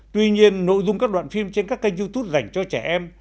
tuy nhiên nội dung các đoạn phim trên các kênh youtube dành cho trẻ em